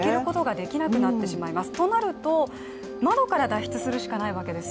となると、窓から脱出するしかないわけです